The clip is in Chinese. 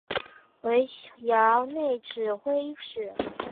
为衙内指挥使。